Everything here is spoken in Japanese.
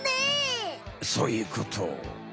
そういうこと。